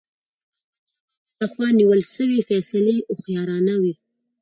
د احمدشاه بابا له خوا نیول سوي فيصلي هوښیارانه وي.